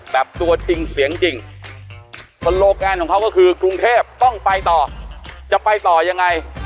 ตัวจริงเสียงจริงสโลแกนของเขาก็คือกรุงเทพต้องไปต่อจะไปต่อยังไง